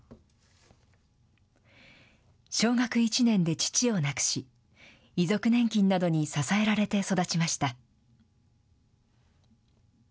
小学１年で父を亡くし、遺族年金などに支えられて育ちました。